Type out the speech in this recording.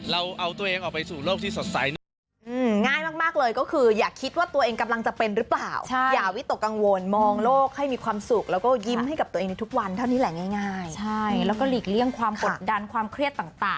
เราเอาตัวเองออกไปสู่โลกที่สดใส